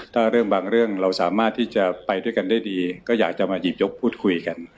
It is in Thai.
ถ้าเรื่องบางเรื่องเราสามารถที่จะไปด้วยกันได้ดีก็อยากจะมาหยิบยกพูดคุยกัน